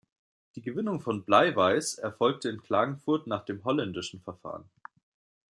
Die Gewinnung von Bleiweiß erfolgte in Klagenfurt nach dem holländischen Verfahren.